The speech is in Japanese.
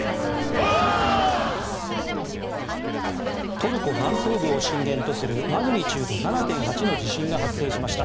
トルコ南東部を震源とするマグニチュード７．８の地震が発生しました。